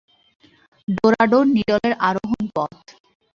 Dorado নিডলের আরোহণ পথ